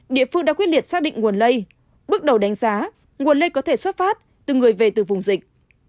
địa phương đã quyết liệt xác định nguồn lây bước đầu đánh giá nguồn lây có thể xuất phát từ người về từ vùng dịch